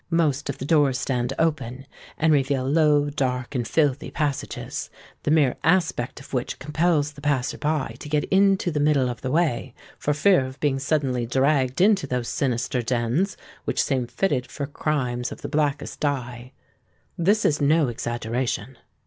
Most of the doors stand open, and reveal low, dark, and filthy passages, the mere aspect of which compels the passer by to get into the middle of the way, for fear of being suddenly dragged into those sinister dens, which seem fitted for crimes of the blackest dye. This is no exaggeration.